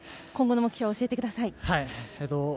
今後の目標、教えてください。